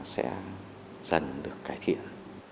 sẽ dần được cải thiện